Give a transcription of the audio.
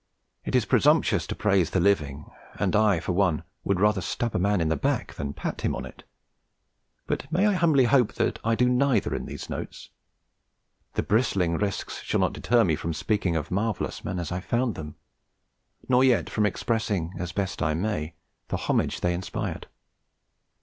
It is presumptuous to praise the living; and I for one would rather stab a man in the back than pat him on it; but may I humbly hope that I do neither in these notes? The bristling risks shall not deter me from speaking of marvellous men as I found them, nor yet from expressing as best I may the homage they inspired.